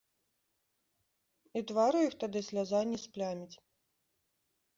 І твару іх тады сляза не спляміць.